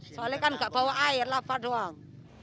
soalnya kan nggak bawa air lapar doang